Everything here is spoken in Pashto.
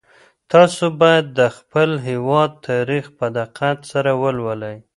تاسو باید د خپل هېواد تاریخ په دقت سره ولولئ.